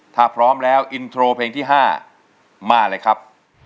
ถ้าพร้อมแล้วอินโทรเพลงที่๕มาเลยครับ